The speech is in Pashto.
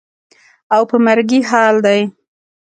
او په مرګي حال دى.